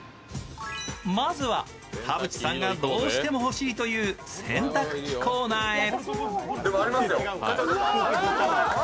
まずは田渕さんがどうしても欲しいという洗濯機コーナーへ。